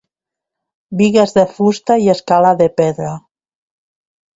Bigues de fusta i escala de pedra.